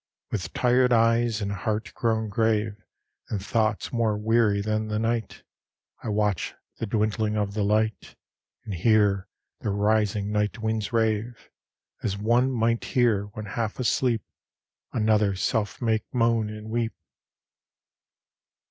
With tired eyes and heart grown grave, And thoughts more weary than the night, I watch the dwindling of the light, And hear the rising night winds rave, As one might hear, when half asleep, Another self make moan and weep.